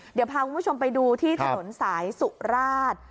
เดี๋ยวพาคุณผู้ชมไปดูที่ถนนสายสุราช